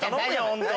本当。